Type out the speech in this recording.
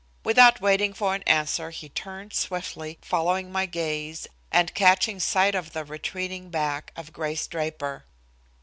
Without waiting for an answer, he turned swiftly, following my gaze, and catching sight of the retreating back of Grace Draper.